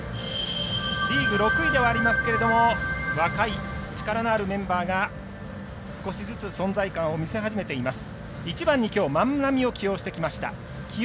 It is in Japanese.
リーグ６位ではありますけれども若い、力のあるメンバーが少しずつ存在感を見せ始めています。